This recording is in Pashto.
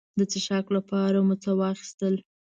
د څښاک لپاره مو څه واخیستل.